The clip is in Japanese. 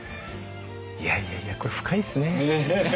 いやいやいやこれ深いですね。